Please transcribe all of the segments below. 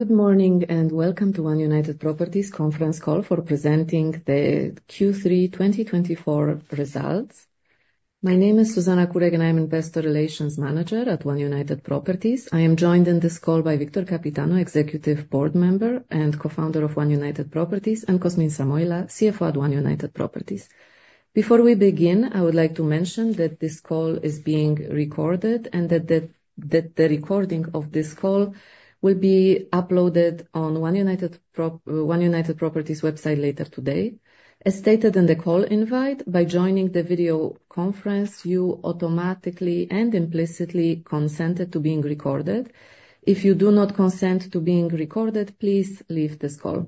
Good morning and welcome to One United Properties' Conference Call for presenting the Q3 2024 Results. My name is Zuzanna Kurek, and I'm Investor Relations Manager at One United Properties. I am joined in this call by Victor Căpitanu, Executive Board Member and Co-founder of One United Properties, and Cosmin Samoilă, CFO at One United Properties. Before we begin, I would like to mention that this call is being recorded and that the recording of this call will be uploaded on One United Properties' website later today. As stated in the call invite, by joining the video conference, you automatically and implicitly consented to being recorded. If you do not consent to being recorded, please leave this call.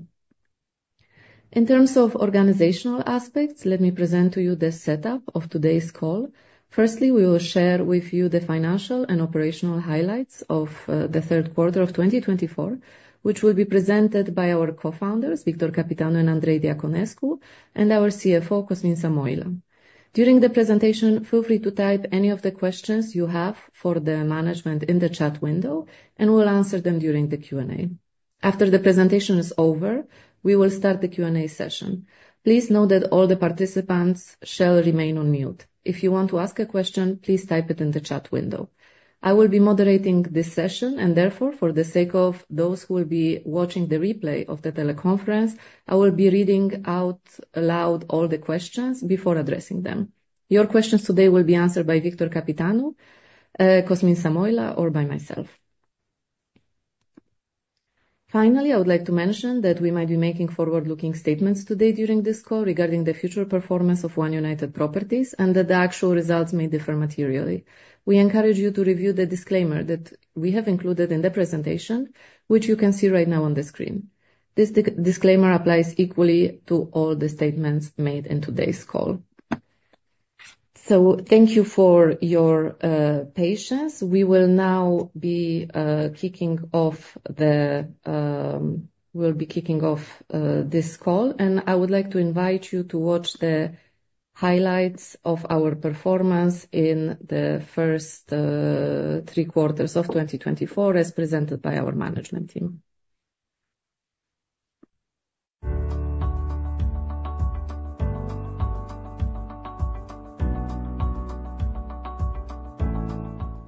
In terms of organizational aspects, let me present to you the setup of today's call. Firstly, we will share with you the financial and operational highlights of the third quarter of 2024, which will be presented by our co-founders, Victor Căpitanu and Andrei Diaconescu, and our CFO, Cosmin Samoilă. During the presentation, feel free to type any of the questions you have for the management in the chat window, and we'll answer them during the Q&A. After the presentation is over, we will start the Q&A session. Please note that all the participants shall remain on mute. If you want to ask a question, please type it in the chat window. I will be moderating this session, and therefore, for the sake of those who will be watching the replay of the teleconference, I will be reading out aloud all the questions before addressing them. Your questions today will be answered by Victor Căpitanu, Cosmin Samoilă, or by myself. Finally, I would like to mention that we might be making forward-looking statements today during this call regarding the future performance of One United Properties and that the actual results may differ materially. We encourage you to review the disclaimer that we have included in the presentation, which you can see right now on the screen. This disclaimer applies equally to all the statements made in today's call. So thank you for your patience. We'll be kicking off this call, and I would like to invite you to watch the highlights of our performance in the first three quarters of 2024, as presented by our management team.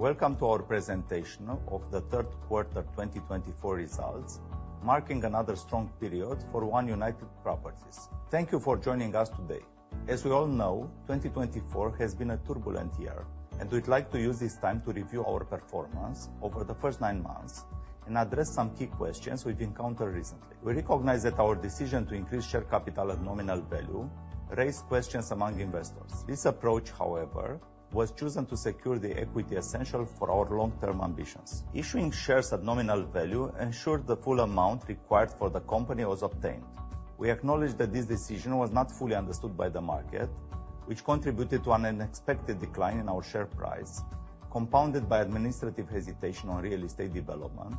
Welcome to our presentation of the Third Quarter 2024 Results, marking another strong period for One United Properties. Thank you for joining us today. As we all know, 2024 has been a turbulent year, and we'd like to use this time to review our performance over the first nine months and address some key questions we've encountered recently. We recognize that our decision to increase share capital at nominal value raised questions among investors. This approach, however, was chosen to secure the equity essential for our long-term ambitions. Issuing shares at nominal value ensured the full amount required for the company was obtained. We acknowledge that this decision was not fully understood by the market, which contributed to an unexpected decline in our share price, compounded by administrative hesitation on real estate development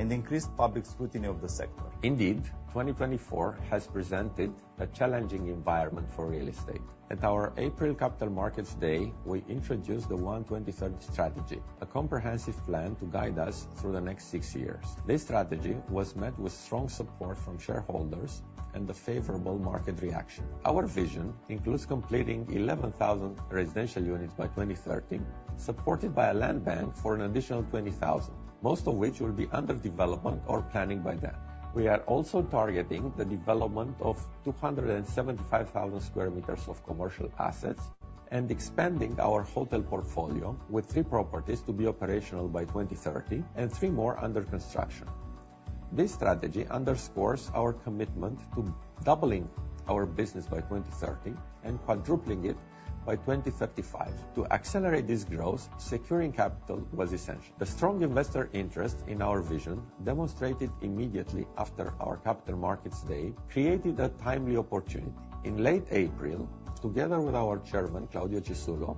and increased public scrutiny of the sector. Indeed, 2024 has presented a challenging environment for real estate. At our April Capital Markets Day, we introduced the ONE 2030 Strategy, a comprehensive plan to guide us through the next six years. This strategy was met with strong support from shareholders and a favorable market reaction. Our vision includes completing 11,000 residential units by 2030, supported by a land bank for an additional 20,000, most of which will be under development or planning by then. We are also targeting the development of 275,000 sq m of commercial assets and expanding our hotel portfolio with three properties to be operational by 2030 and three more under construction. This strategy underscores our commitment to doubling our business by 2030 and quadrupling it by 2035. To accelerate this growth, securing capital was essential. The strong investor interest in our vision, demonstrated immediately after our Capital Markets Day, created a timely opportunity. In late April, together with our Chairman, Claudio Cisullo,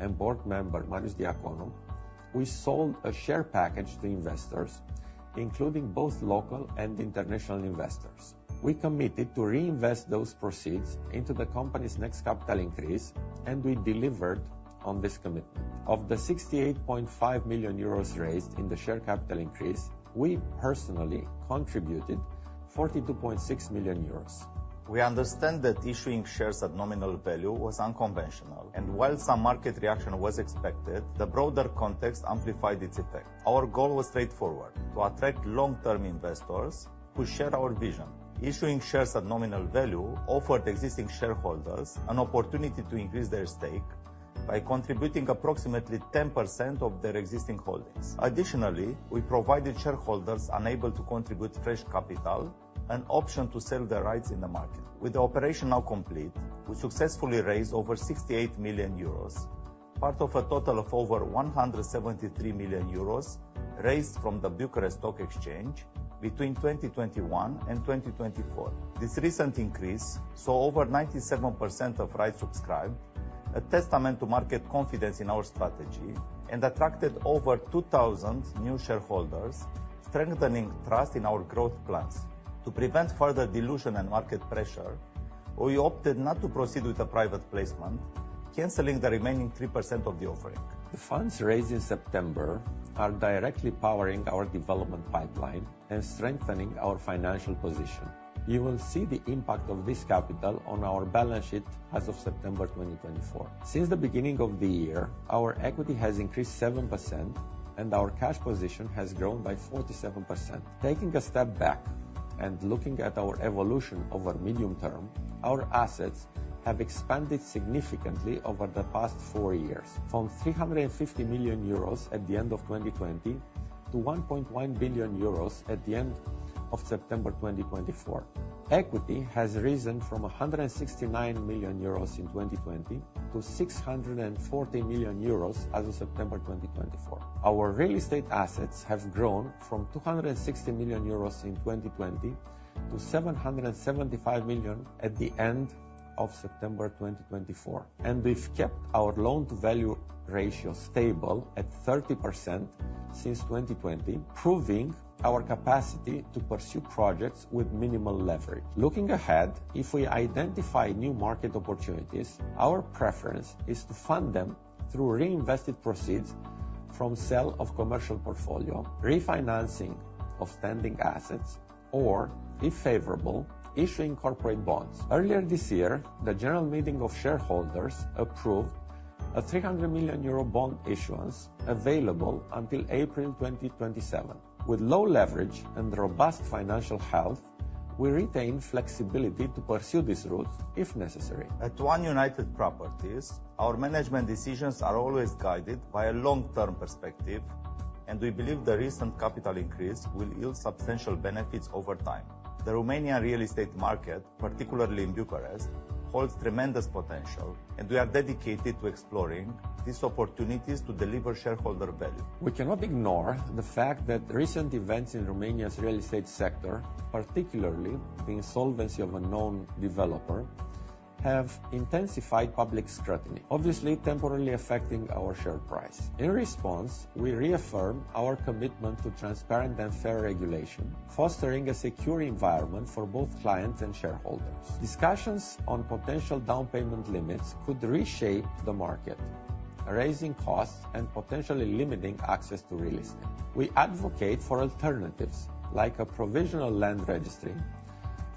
and Board Member, Marius Diaconu, we sold a share package to investors, including both local and international investors. We committed to reinvest those proceeds into the company's next capital increase, and we delivered on this commitment. Of the 68.5 million euros raised in the share capital increase, we personally contributed 42.6 million euros. We understand that issuing shares at nominal value was unconventional, and while some market reaction was expected, the broader context amplified its effect. Our goal was straightforward: to attract long-term investors who share our vision. Issuing shares at nominal value offered existing shareholders an opportunity to increase their stake by contributing approximately 10% of their existing holdings. Additionally, we provided shareholders unable to contribute fresh capital an option to sell their rights in the market. With the operation now complete, we successfully raised over 68 million euros, part of a total of over 173 million euros raised from the Bucharest Stock Exchange between 2021 and 2024. This recent increase saw over 97% of rights subscribed, a testament to market confidence in our strategy, and attracted over 2,000 new shareholders, strengthening trust in our growth plans. To prevent further dilution and market pressure, we opted not to proceed with a private placement, canceling the remaining 3% of the offering. The funds raised in September are directly powering our development pipeline and strengthening our financial position. You will see the impact of this capital on our balance sheet as of September 2024. Since the beginning of the year, our equity has increased 7%, and our cash position has grown by 47%. Taking a step back and looking at our evolution over medium term, our assets have expanded significantly over the past four years, from 350 million euros at the end of 2020 to 1.1 billion euros at the end of September 2024. Equity has risen from 169 million euros in 2020 to 640 million euros as of September 2024. Our real estate assets have grown from 260 million euros in 2020 to 775 million at the end of September 2024, and we've kept our loan-to-value ratio stable at 30% since 2020, proving our capacity to pursue projects with minimal leverage. Looking ahead, if we identify new market opportunities, our preference is to fund them through reinvested proceeds from sale of commercial portfolio, refinancing of standing assets, or, if favorable, issuing corporate bonds. Earlier this year, the General Meeting of Shareholders approved a 300 million euro bond issuance available until April 2027. With low leverage and robust financial health, we retain flexibility to pursue this route if necessary. At One United Properties, our management decisions are always guided by a long-term perspective, and we believe the recent capital increase will yield substantial benefits over time. The Romanian real estate market, particularly in Bucharest, holds tremendous potential, and we are dedicated to exploring these opportunities to deliver shareholder value. We cannot ignore the fact that recent events in Romania's real estate sector, particularly the insolvency of a known developer, have intensified public scrutiny, obviously temporarily affecting our share price. In response, we reaffirm our commitment to transparent and fair regulation, fostering a secure environment for both clients and shareholders. Discussions on potential down payment limits could reshape the market, raising costs and potentially limiting access to real estate. We advocate for alternatives like a provisional land registry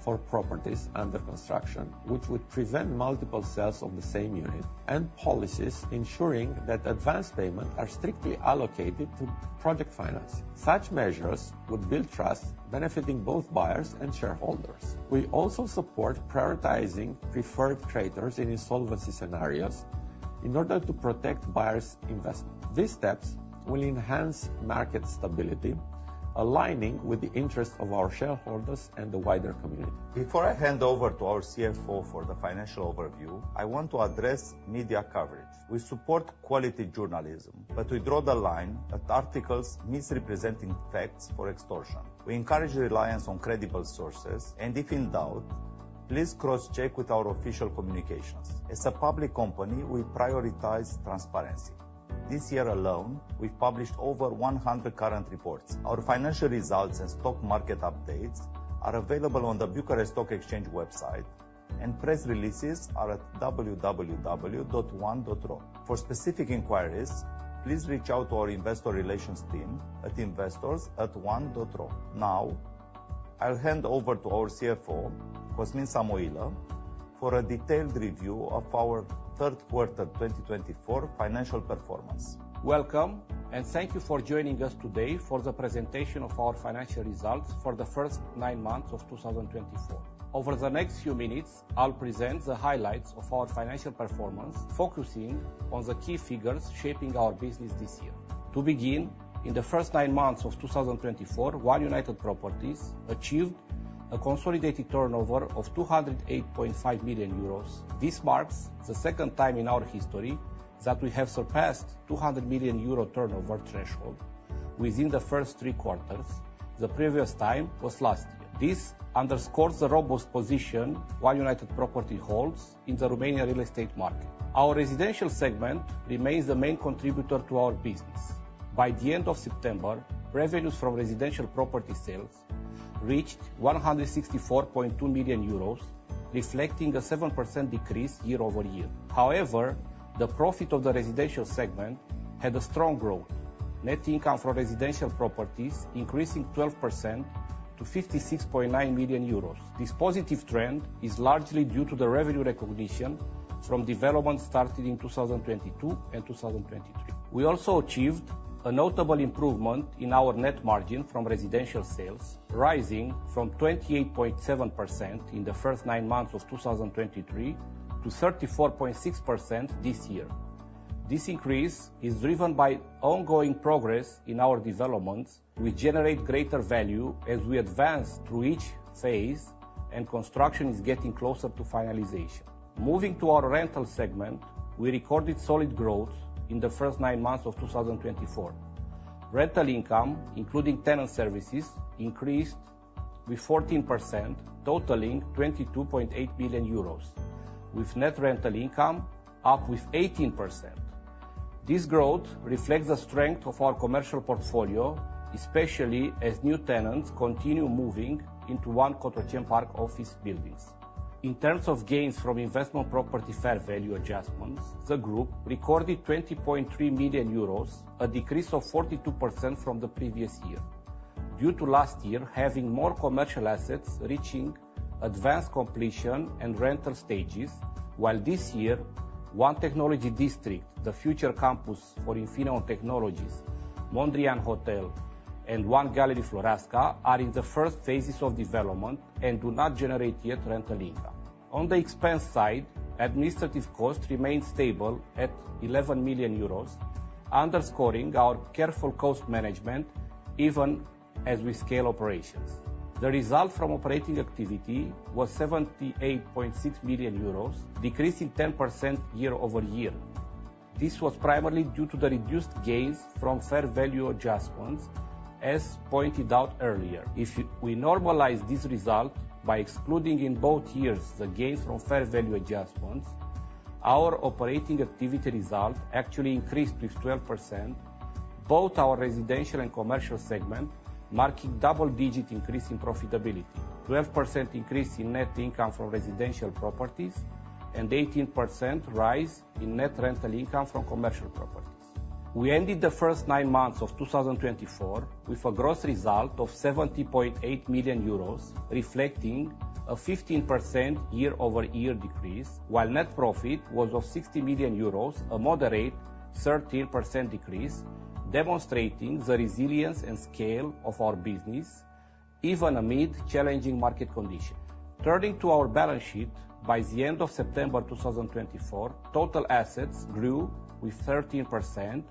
for properties under construction, which would prevent multiple sales of the same unit, and policies ensuring that advance payments are strictly allocated to project financing. Such measures would build trust, benefiting both buyers and shareholders. We also support prioritizing preferred creditors in insolvency scenarios in order to protect buyers' investments. These steps will enhance market stability, aligning with the interests of our shareholders and the wider community. Before I hand over to our CFO for the financial overview, I want to address media coverage. We support quality journalism, but we draw the line at articles misrepresenting facts for extortion. We encourage reliance on credible sources, and if in doubt, please cross-check with our official communications. As a public company, we prioritize transparency. This year alone, we've published over 100 current reports. Our financial results and stock market updates are available on the Bucharest Stock Exchange website, and press releases are at www.one.ro. For specific inquiries, please reach out to our investor relations team at investors@one.ro. Now, I'll hand over to our CFO, Cosmin Samoilă, for a detailed review of our third quarter 2024 financial performance. Welcome, and thank you for joining us today for the presentation of our financial results for the first nine months of 2024. Over the next few minutes, I'll present the highlights of our financial performance, focusing on the key figures shaping our business this year. To begin, in the first nine months of 2024, One United Properties achieved a consolidated turnover of 208.5 million euros. This marks the second time in our history that we have surpassed the 200 million euro turnover threshold within the first three quarters. The previous time was last year. This underscores the robust position One United Properties holds in the Romanian real estate market. Our residential segment remains the main contributor to our business. By the end of September, revenues from residential property sales reached 164.2 million euros, reflecting a 7% decrease year-over-year. However, the profit of the residential segment had a strong growth, net income for residential properties increasing 12% to 56.9 million euros. This positive trend is largely due to the revenue recognition from developments started in 2022 and 2023. We also achieved a notable improvement in our net margin from residential sales, rising from 28.7% in the first nine months of 2023 to 34.6% this year. This increase is driven by ongoing progress in our developments, which generate greater value as we advance through each phase and construction is getting closer to finalization. Moving to our rental segment, we recorded solid growth in the first nine months of 2024. Rental income, including tenant services, increased by 14%, totaling 22.8 million euros, with net rental income up by 18%. This growth reflects the strength of our commercial portfolio, especially as new tenants continue moving into One Cotroceni Park office buildings. In terms of gains from investment property fair value adjustments, the group recorded 20.3 million euros, a decrease of 42% from the previous year, due to last year having more commercial assets reaching advanced completion and rental stages, while this year One Technology District, the future campus for Infineon Technologies, Mondrian Hotel, and One Gallery Floreasca are in the first phases of development and do not generate yet rental income. On the expense side, administrative costs remained stable at 11 million euros, underscoring our careful cost management even as we scale operations. The result from operating activity was 78.6 million euros, decreasing 10% year-over-year. This was primarily due to the reduced gains from fair value adjustments, as pointed out earlier. If we normalize this result by excluding in both years the gains from fair value adjustments, our operating activity result actually increased by 12%, both our residential and commercial segment, marking a double-digit increase in profitability, a 12% increase in net income from residential properties, and an 18% rise in net rental income from commercial properties. We ended the first nine months of 2024 with a gross result of 70.8 million euros, reflecting a 15% year-over-year decrease, while net profit was of 60 million euros, a moderate 13% decrease, demonstrating the resilience and scale of our business even amid challenging market conditions. Turning to our balance sheet, by the end of September 2024, total assets grew by 13%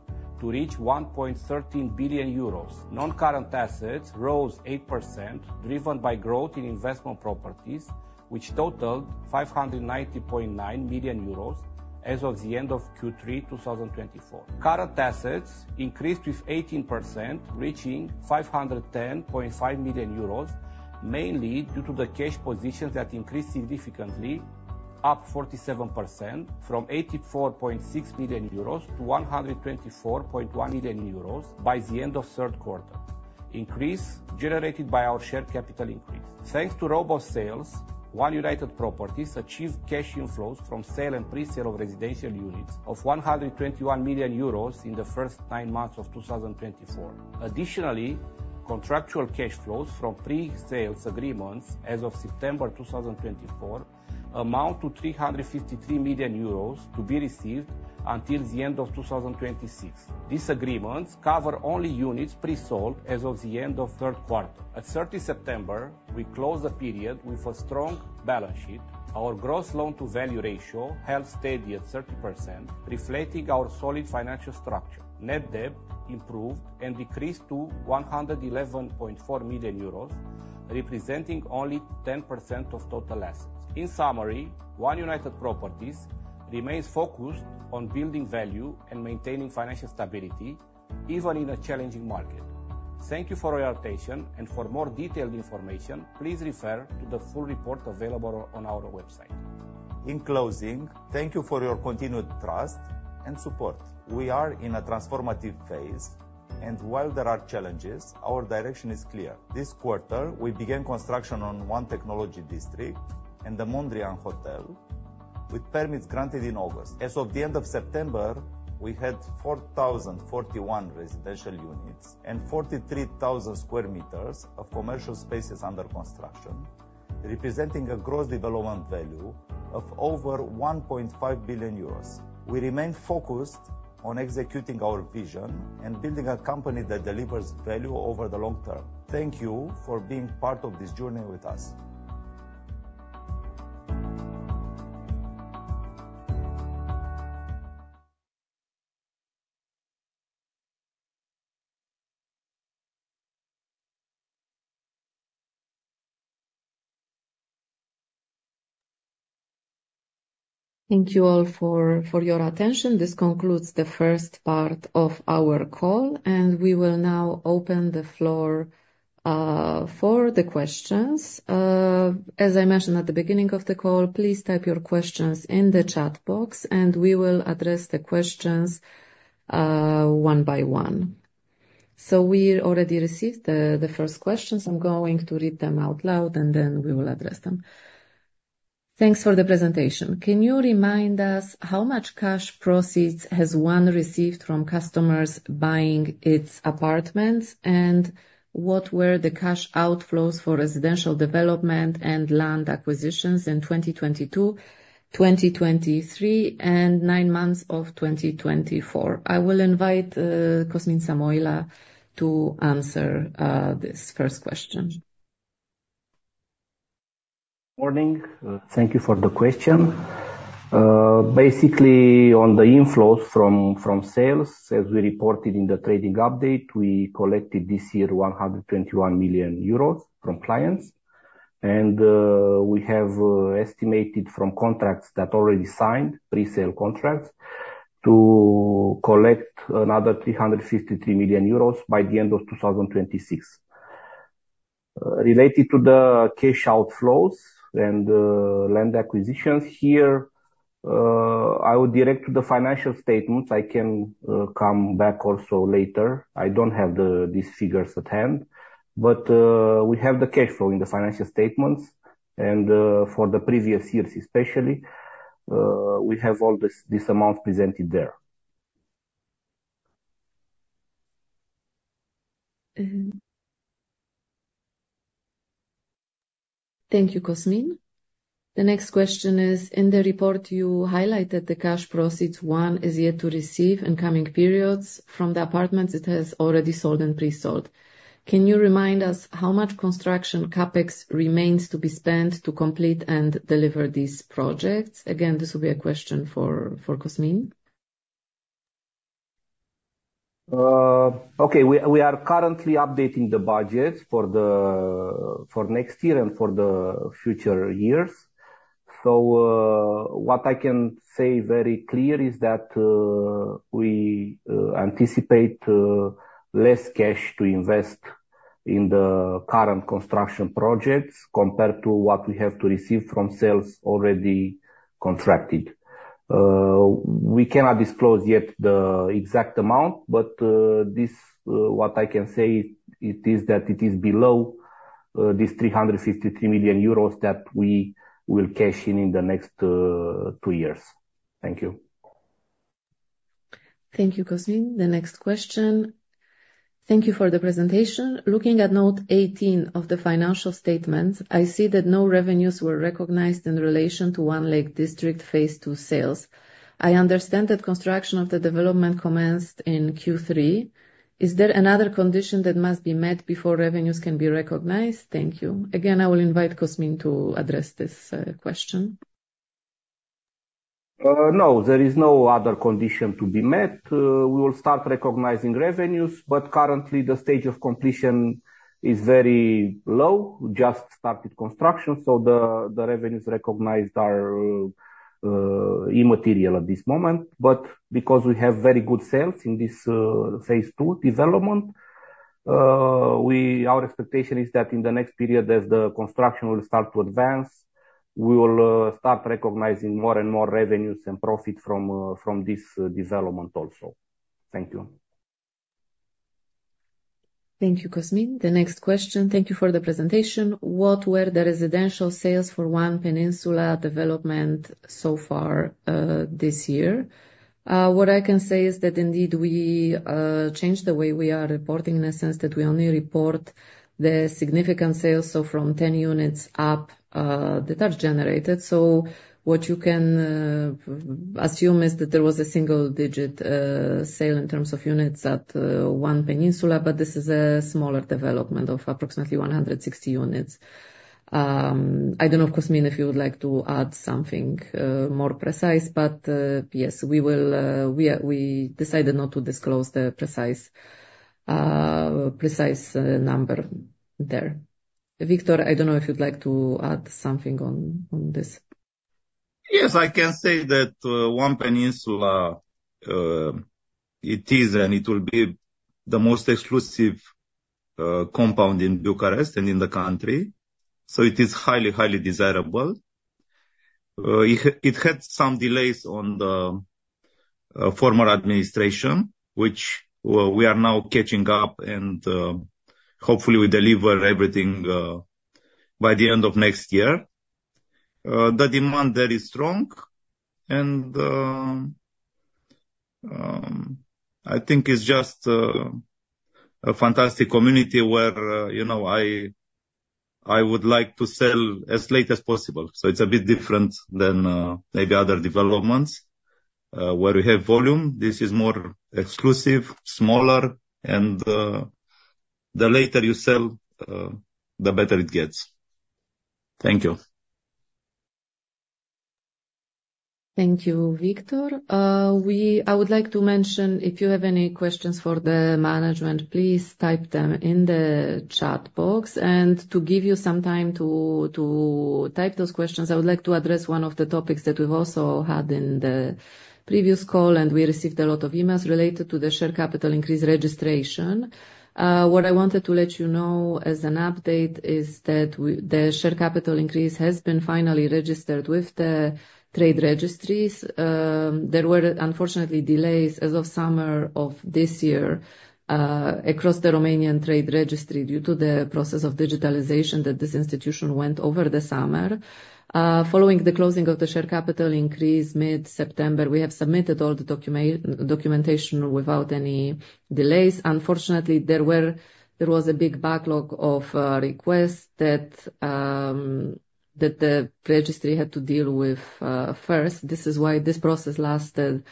to reach 1.13 billion euros. Non-current assets rose 8%, driven by growth in investment properties, which totaled 590.9 million euros as of the end of Q3 2024. Current assets increased by 18%, reaching 510.5 million euros, mainly due to the cash positions that increased significantly, up 47% from 84.6 million euros to 124.1 million euros by the end of the third quarter, an increase generated by our share capital increase. Thanks to robust sales, One United Properties achieved cash inflows from sale and pre-sale of residential units of 121 million euros in the first nine months of 2024. Additionally, contractual cash flows from pre-sale agreements as of September 2024 amount to 353 million euros to be received until the end of 2026. These agreements cover only units pre-sold as of the end of the third quarter. At 30 September, we closed the period with a strong balance sheet. Our gross loan-to-value ratio held steady at 30%, reflecting our solid financial structure. Net debt improved and decreased to 111.4 million euros, representing only 10% of total assets. In summary, One United Properties remains focused on building value and maintaining financial stability, even in a challenging market. Thank you for your attention, and for more detailed information, please refer to the full report available on our website. In closing, thank you for your continued trust and support. We are in a transformative phase, and while there are challenges, our direction is clear. This quarter, we began construction on One Technology District and the Mondrian Hotel, with permits granted in August. As of the end of September, we had 4,041 residential units and 43,000 sq m of commercial spaces under construction, representing a gross development value of over 1.5 billion euros. We remain focused on executing our vision and building a company that delivers value over the long term. Thank you for being part of this journey with us. Thank you all for your attention. This concludes the first part of our call, and we will now open the floor for the questions. As I mentioned at the beginning of the call, please type your questions in the chat box, and we will address the questions one by one, so we already received the first questions. I'm going to read them out loud, and then we will address them. Thanks for the presentation. Can you remind us how much cash proceeds has One received from customers buying its apartments, and what were the cash outflows for residential development and land acquisitions in 2022, 2023, and nine months of 2024? I will invite Cosmin Samoilă to answer this first question. Morning. Thank you for the question. Basically, on the inflows from sales, as we reported in the trading update, we collected this year 121 million euros from clients, and we have estimated from contracts that are already signed, pre-sale contracts, to collect another 353 million euros by the end of 2026. Related to the cash outflows and land acquisitions here, I would direct to the financial statements. I can come back also later. I don't have these figures at hand, but we have the cash flow in the financial statements, and for the previous years especially, we have all this amount presented there. Thank you, Cosmin. The next question is, in the report, you highlighted the cash proceeds One is yet to receive in coming periods from the apartments it has already sold and pre-sold. Can you remind us how much construction CapEx remains to be spent to complete and deliver these projects? Again, this will be a question for Cosmin. Okay. We are currently updating the budget for next year and for the future years. So what I can say very clearly is that we anticipate less cash to invest in the current construction projects compared to what we have to receive from sales already contracted. We cannot disclose yet the exact amount, but what I can say is that it is below this 353 million euros that we will cash in in the next two years. Thank you. Thank you, Cosmin. The next question. Thank you for the presentation. Looking at note 18 of the financial statements, I see that no revenues were recognized in relation to One Lake District Phase 2 sales. I understand that construction of the development commenced in Q3. Is there another condition that must be met before revenues can be recognized? Thank you. Again, I will invite Cosmin to address this question. No, there is no other condition to be met. We will start recognizing revenues, but currently, the stage of completion is very low. We just started construction, so the revenues recognized are immaterial at this moment. But because we have very good sales in this phase two development, our expectation is that in the next period, as the construction will start to advance, we will start recognizing more and more revenues and profit from this development also. Thank you. Thank you, Cosmin. The next question. Thank you for the presentation. What were the residential sales for One Peninsula development so far this year? What I can say is that indeed we changed the way we are reporting, in a sense that we only report the significant sales, so from 10 units up that are generated. So what you can assume is that there was a single-digit sale in terms of units at One Peninsula, but this is a smaller development of approximately 160 units. I don't know, Cosmin, if you would like to add something more precise, but yes, we decided not to disclose the precise number there. Victor, I don't know if you'd like to add something on this. Yes, I can say that One Peninsula, it is, and it will be the most exclusive compound in Bucharest and in the country, so it is highly, highly desirable. It had some delays on the former administration, which we are now catching up, and hopefully, we deliver everything by the end of next year. The demand there is strong, and I think it's just a fantastic community where I would like to sell as late as possible. It's a bit different than maybe other developments where we have volume. This is more exclusive, smaller, and the later you sell, the better it gets. Thank you. Thank you, Victor. I would like to mention, if you have any questions for the management, please type them in the chat box. And to give you some time to type those questions, I would like to address one of the topics that we've also had in the previous call, and we received a lot of emails related to the share capital increase registration. What I wanted to let you know as an update is that the share capital increase has been finally registered with the trade registries. There were, unfortunately, delays as of summer of this year across the Romanian Trade Registry due to the process of digitalization that this institution went over the summer. Following the closing of the share capital increase mid-September, we have submitted all the documentation without any delays. Unfortunately, there was a big backlog of requests that the registry had to deal with first. This is why this process lasted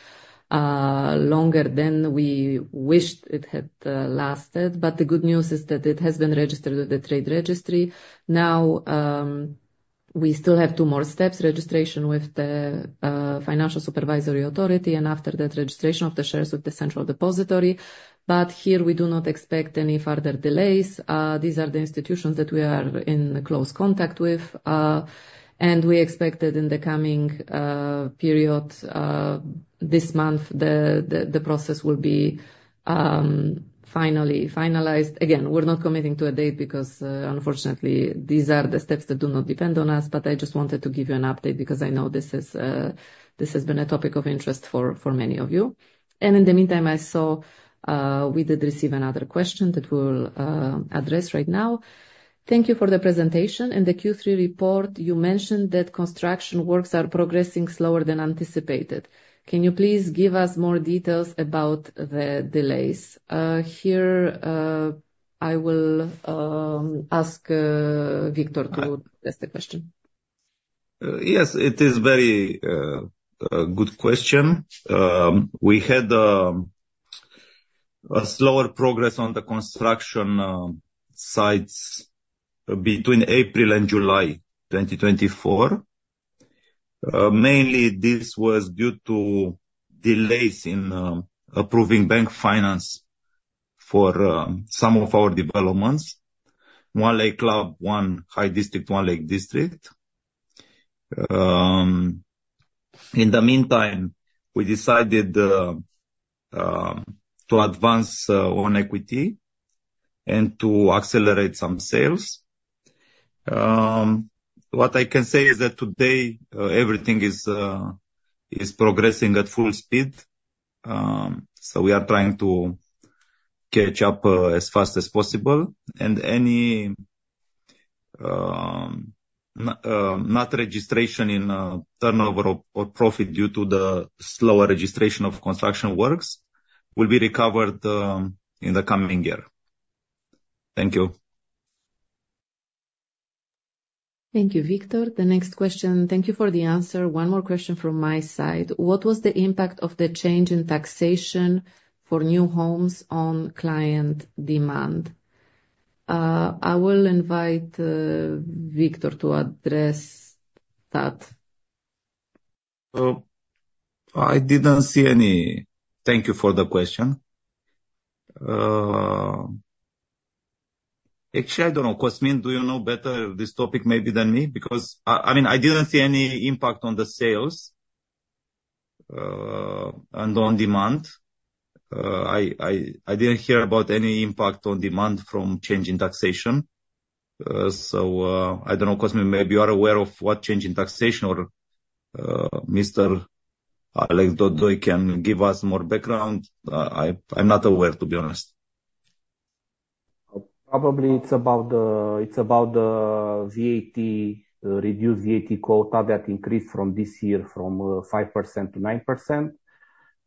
longer than we wished it had lasted. But the good news is that it has been registered with the trade registry. Now, we still have two more steps: registration with the Financial Supervisory Authority, and after that, registration of the shares with the Central Depository. But here, we do not expect any further delays. These are the institutions that we are in close contact with, and we expect that in the coming period, this month, the process will be finally finalized. Again, we're not committing to a date because, unfortunately, these are the steps that do not depend on us, but I just wanted to give you an update because I know this has been a topic of interest for many of you. And in the meantime, I saw we did receive another question that we'll address right now. Thank you for the presentation. In the Q3 report, you mentioned that construction works are progressing slower than anticipated. Can you please give us more details about the delays? Here, I will ask Victor to address the question. Yes, it is a very good question. We had a slower progress on the construction sites between April and July 2024. Mainly, this was due to delays in approving bank finance for some of our developments: One Lake Club, One High District, One Lake District. In the meantime, we decided to advance own equity and to accelerate some sales. What I can say is that today, everything is progressing at full speed, so we are trying to catch up as fast as possible, and any not registration in turnover or profit due to the slower registration of construction works will be recovered in the coming year. Thank you. Thank you, Victor. The next question. Thank you for the answer. One more question from my side. What was the impact of the change in taxation for new homes on client demand? I will invite Victor to address that. I didn't see any. Thank you for the question. Actually, I don't know. Cosmin, do you know better this topic maybe than me? Because, I mean, I didn't see any impact on the sales and on demand. I didn't hear about any impact on demand from change in taxation. So I don't know, Cosmin, maybe you are aware of what change in taxation or Mr. Alex Dodu can give us more background. I'm not aware, to be honest. Probably it's about the reduced VAT quota that increased from this year from 5%-9%.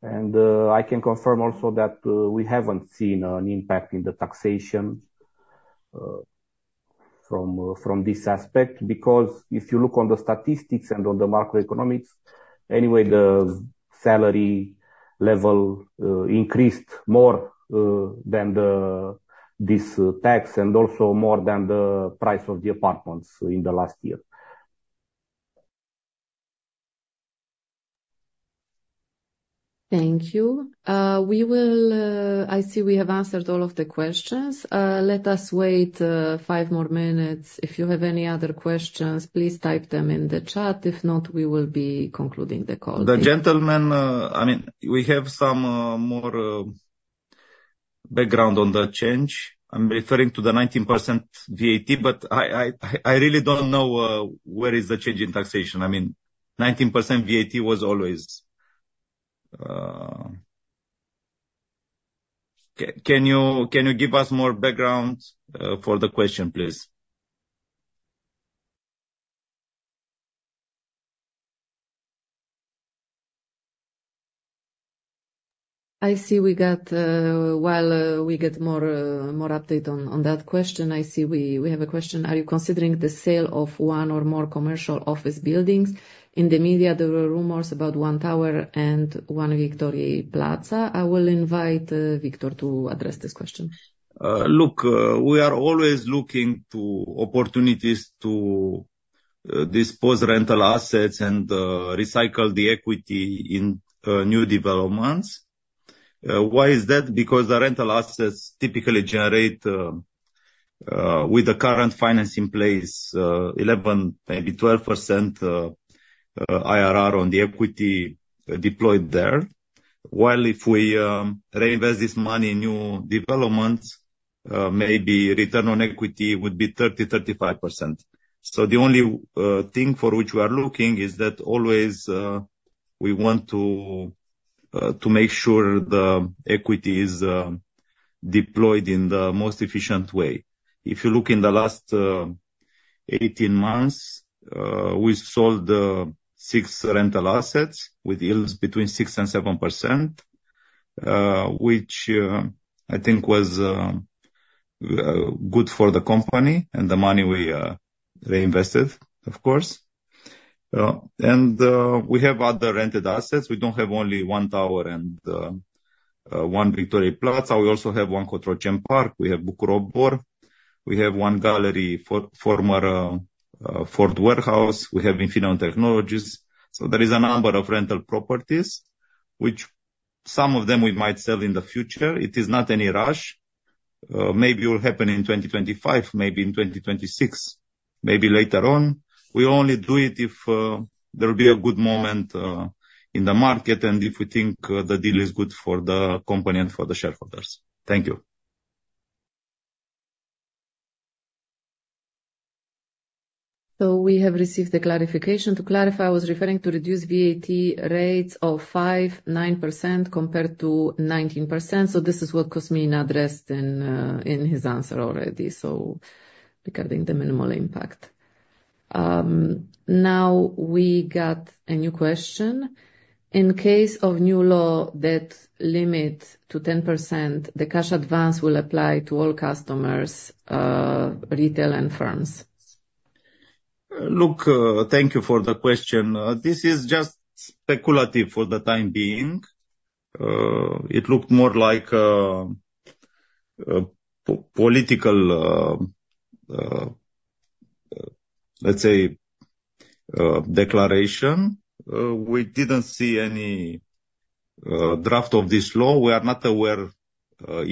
And I can confirm also that we haven't seen an impact in the taxation from this aspect because if you look on the statistics and on the macroeconomics, anyway, the salary level increased more than this tax and also more than the price of the apartments in the last year. Thank you. I see we have answered all of the questions. Let us wait five more minutes. If you have any other questions, please type them in the chat. If not, we will be concluding the call. The gentlemen, I mean, we have some more background on the change. I'm referring to the 19% VAT, but I really don't know where is the change in taxation. I mean, 19% VAT was always. Can you give us more background for the question, please? I see we got while we get more update on that question, I see we have a question. Are you considering the sale of one or more commercial office buildings? In the media, there were rumors about One Tower and One Victoriei Plaza. I will invite Victor to address this question. Look, we are always looking to opportunities to dispose of rental assets and recycle the equity in new developments. Why is that? Because the rental assets typically generate, with the current financing place, 11%-12% IRR on the equity deployed there. While if we reinvest this money in new developments, maybe return on equity would be 30%-35%. So the only thing for which we are looking is that always we want to make sure the equity is deployed in the most efficient way. If you look in the last 18 months, we sold six rental assets with yields between 6%-7%, which I think was good for the company and the money we reinvested, of course. And we have other rented assets. We don't have only One Tower and One Victoriei Plaza. We also have One Cotroceni Park. We have Bucur Obor. We have One Gallery, former Ford Warehouse. We have Infineon Technologies. So there is a number of rental properties, which some of them we might sell in the future. It is not any rush. Maybe it will happen in 2025, maybe in 2026, maybe later on. We only do it if there will be a good moment in the market and if we think the deal is good for the company and for the shareholders. Thank you. So we have received the clarification. To clarify, I was referring to reduced VAT rates of 5%, 9% compared to 19%. So this is what Cosmin addressed in his answer already, so regarding the minimal impact. Now, we got a new question. In case of new law that limits to 10%, the cash advance will apply to all customers, retail, and firms. Look, thank you for the question. This is just speculative for the time being. It looked more like a political, let's say, declaration. We didn't see any draft of this law. We are not aware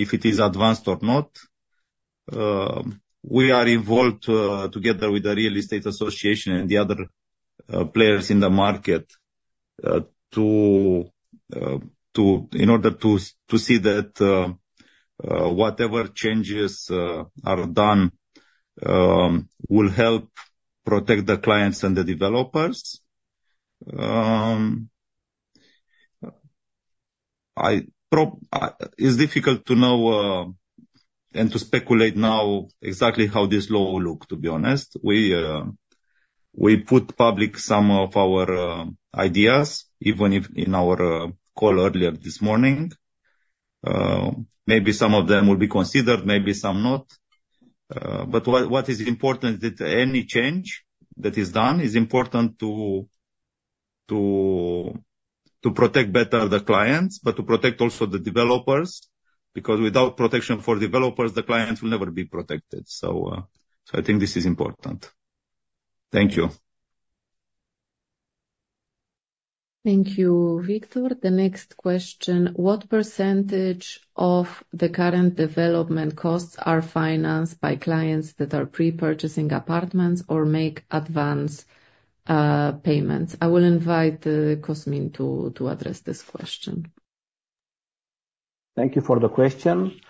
if it is advanced or not. We are involved together with the Real Estate Association and the other players in the market in order to see that whatever changes are done will help protect the clients and the developers. It's difficult to know and to speculate now exactly how this law will look, to be honest. We made public some of our ideas, even in our call earlier this morning. Maybe some of them will be considered, maybe some not. But what is important is that any change that is done is important to protect better the clients, but to protect also the developers because without protection for developers, the clients will never be protected. So I think this is important. Thank you. Thank you, Victor. The next question. What percentage of the current development costs are financed by clients that are pre-purchasing apartments or make advance payments? I will invite Cosmin to address this question. Thank you for the question.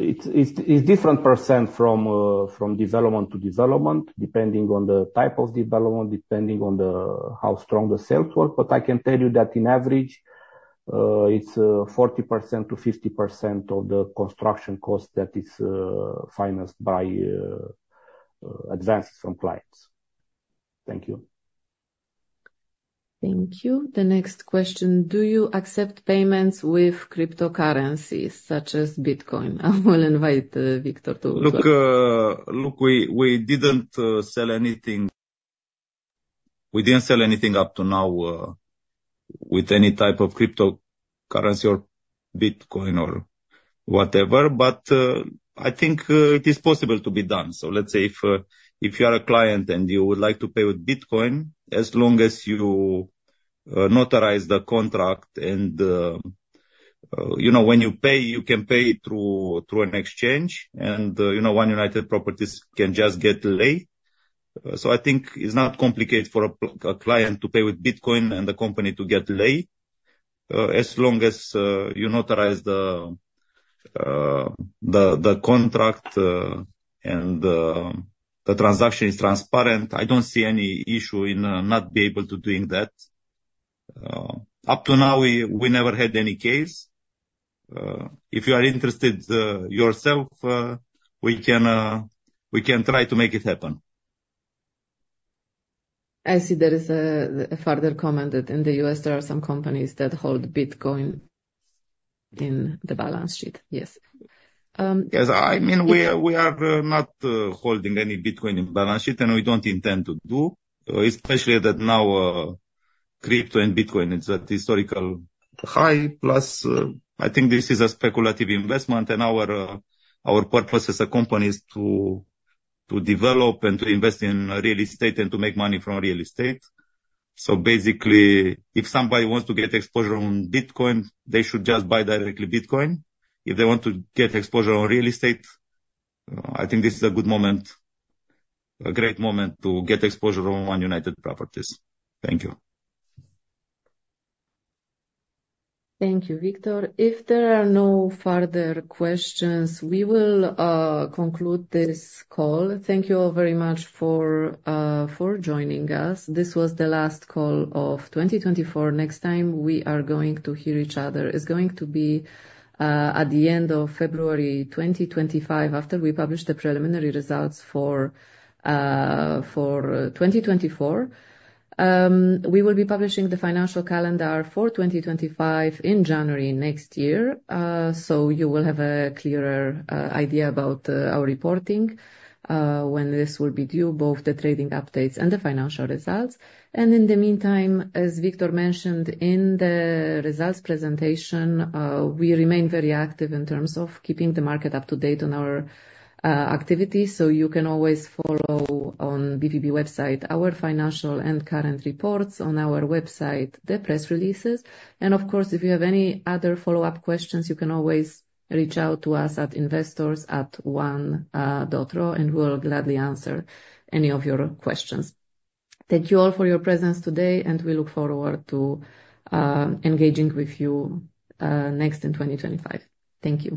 It's a different percent from development to development, depending on the type of development, depending on how strong the sales were. But I can tell you that on average, it's 40%-50% of the construction costs that is financed by advance from clients. Thank you. Thank you. The next question. Do you accept payments with cryptocurrencies such as Bitcoin? I will invite Victor to. Look, we didn't sell anything. We didn't sell anything up to now with any type of cryptocurrency or Bitcoin or whatever, but I think it is possible to be done. So let's say if you are a client and you would like to pay with Bitcoin, as long as you notarize the contract and when you pay, you can pay through an exchange, and One United Properties can just get paid. So I think it's not complicated for a client to pay with Bitcoin and the company to get paid as long as you notarize the contract and the transaction is transparent. I don't see any issue in not being able to do that. Up to now, we never had any case. If you are interested yourself, we can try to make it happen. I see there is a further comment that in the U.S., there are some companies that hold Bitcoin in the balance sheet. Yes. Yes. I mean, we are not holding any Bitcoin in the balance sheet, and we don't intend to do, especially that now crypto and Bitcoin is at historical high. Plus, I think this is a speculative investment, and our purpose as a company is to develop and to invest in real estate and to make money from real estate. So basically, if somebody wants to get exposure on Bitcoin, they should just buy directly Bitcoin. If they want to get exposure on real estate, I think this is a good moment, a great moment to get exposure on One United Properties. Thank you. Thank you, Victor. If there are no further questions, we will conclude this call. Thank you all very much for joining us. This was the last call of 2024. Next time, we are going to hear each other. It's going to be at the end of February 2025 after we publish the preliminary results for 2024. We will be publishing the financial calendar for 2025 in January next year, so you will have a clearer idea about our reporting when this will be due, both the trading updates and the financial results. In the meantime, as Victor mentioned in the results presentation, we remain very active in terms of keeping the market up to date on our activities. You can always follow on BVB website our financial and current reports on our website, the press releases. Of course, if you have any other follow-up questions, you can always reach out to us at investors@one.ro, and we'll gladly answer any of your questions. Thank you all for your presence today, and we look forward to engaging with you next in 2025. Thank you.